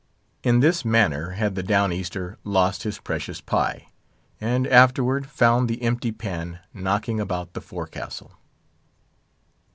In this manner had the Down Easter lost his precious pie, and afterward found the empty pan knocking about the forecastle.